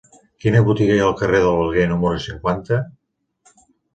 Quina botiga hi ha al carrer de l'Alguer número cinquanta?